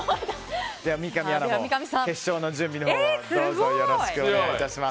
三上アナも決勝の準備のほうをよろしくお願いします。